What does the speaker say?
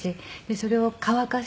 それを乾かして。